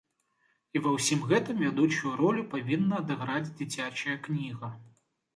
І ва ўсім гэтым вядучую ролю павінна адыграць дзіцячая кніга.